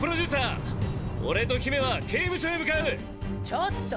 ちょっと！